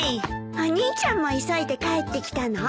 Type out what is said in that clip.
お兄ちゃんも急いで帰ってきたの？